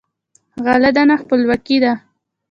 غله دانه خپلواکي ده.